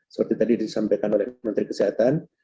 seperti tadi disampaikan oleh menteri kesehatan